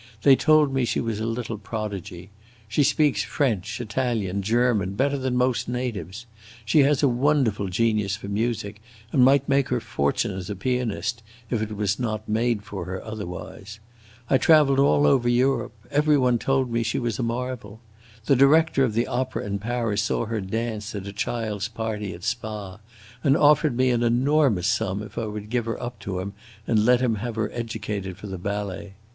They told me she was a little prodigy. She speaks French, Italian, German, better than most natives. She has a wonderful genius for music, and might make her fortune as a pianist, if it was not made for her otherwise! I traveled all over Europe; every one told me she was a marvel. The director of the opera in Paris saw her dance at a child's party at Spa, and offered me an enormous sum if I would give her up to him and let him have her educated for the ballet.